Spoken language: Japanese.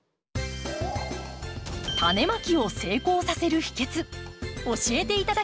タネまきを成功させる秘けつ教えて頂きましょう。